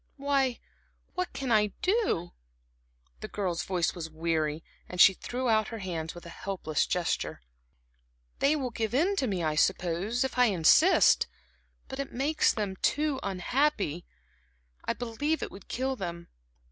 "Why, what can I do?" The girl's voice was weary, and she threw out her hands with a helpless gesture. "They will give in to me, I suppose, if I insist; but it makes them too unhappy. I believe it would kill them.